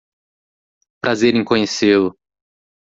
Prazer em conhecê-lo.